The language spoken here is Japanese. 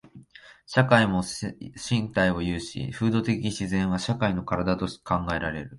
社会も身体を有し、風土的自然は社会の身体と考えられる。